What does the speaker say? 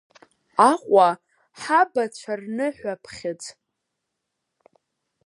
Аҟәа ҳабацәа рныҳәаԥхьыӡ…